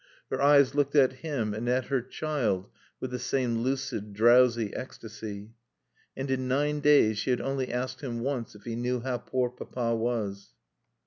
Her eyes looked at him and at her child with the same lucid, drowsy ecstasy. And in nine days she had only asked him once if he knew how poor Papa was?